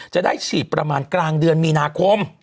จะได้ฉีดประมาณกลางเดือนมีนาคม